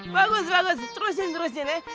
bagus bagus terusin terusin ya